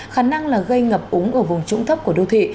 khả năng là gây ngập úng ở vùng trũng thấp của đô thị